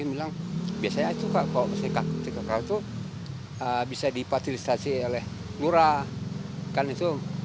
dan biaya dan waktu